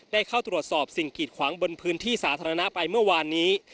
ได้เข้าตรวจสอบสิ่งกีดขวางบนพื้นที่สาธารณะไปเมื่อวานนี้